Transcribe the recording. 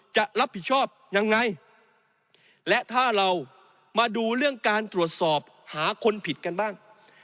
จะรับผิดชอบยังไงและถ้าเรามาดูเรื่องการตรวจสอบหาคนผิดกันบ้าง